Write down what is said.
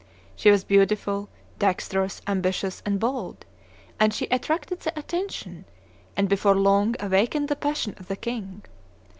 She was beautiful, dexterous, ambitious, and bold; and she attracted the attention, and before long awakened the passion of the king.